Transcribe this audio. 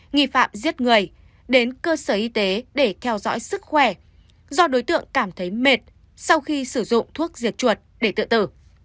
nghi phạm giết người đến cơ sở y tế để theo dõi sức khỏe do đối tượng cảm thấy mệt sau khi sử dụng thuốc diệt chuột để tự tử